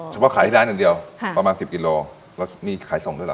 ว่าขายที่ร้านอย่างเดียวประมาณ๑๐กิโลแล้วนี่ขายส่งด้วยเหรอ